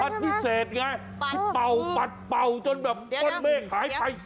พัดพิเศษไงที่เป่าจนแบบก้นเมฆหายไป